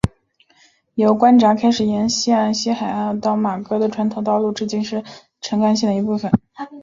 由关闸开始沿昔日西海岸到妈阁的传统道路至今仍然是澳门环城干线的一部分。